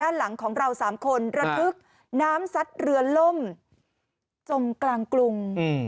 หลังของเราสามคนระทึกน้ำซัดเรือล่มจมกลางกรุง